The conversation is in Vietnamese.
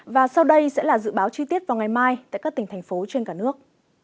và sau đây sẽ là dự báo chi tiết vào ngày mai tại các tỉnh thành phố trên cả nước